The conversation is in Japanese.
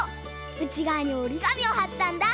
うちがわにおりがみをはったんだ。